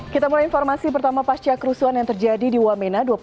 kita mulai informasi pertama pasca kerusuhan yang terjadi di wamena